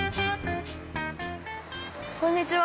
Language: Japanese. こんにちは。